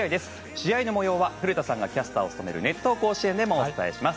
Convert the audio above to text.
試合の模様は古田さんがキャスターを務める「熱闘甲子園」でもお伝えします。